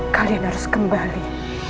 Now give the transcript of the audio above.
kalian harus kembali